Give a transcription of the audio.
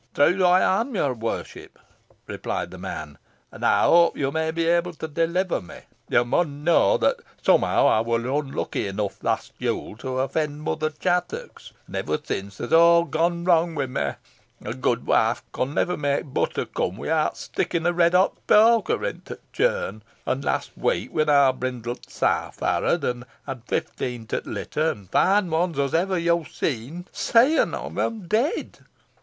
"Troth am ey, your warship," replied the man, "an ey hope yo may be able to deliver me. Yo mun knoa, that somehow ey wor unlucky enough last Yule to offend Mother Chattox, an ever sin then aw's gone wrang wi' me. Th' good wife con never may butter come without stickin' a redhot poker into t' churn; and last week, when our brindlt sow farrowed, and had fifteen to t' litter, an' fine uns os ever yo seed, seign on um deed. Sad wark!